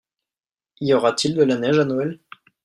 Y aura-t-il de la neige à Noël ?